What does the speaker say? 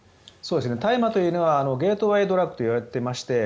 大麻というのはゲートウェードラッグといわれていまして